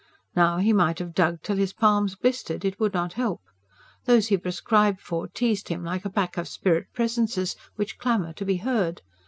Now, he might have dug till his palms blistered, it would not help. Those he prescribed for teased him like a pack of spirit presences, which clamour to be heard.